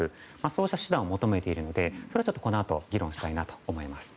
そうした手段を求めているのでそれはこのあと議論したいなと思います。